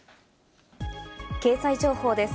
経済情報です。